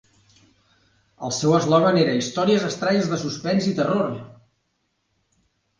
El seu eslògan era Històries estranyes de suspens i terror!